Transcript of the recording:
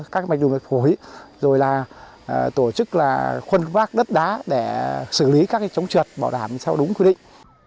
các mạch đường đất phổi rồi tổ chức khuân vác đất đá để xử lý các chống trượt bảo đảm theo đúng quy định